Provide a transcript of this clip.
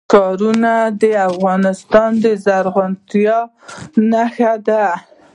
ښارونه د افغانستان د زرغونتیا نښه ده.